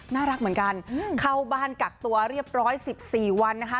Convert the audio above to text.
น่ารักเหมือนกันเข้าบ้านกักตัวเรียบร้อย๑๔วันนะคะ